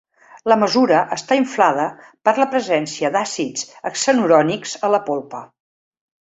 La mesura està inflada per la presència d'àcids hexenurònics a la polpa.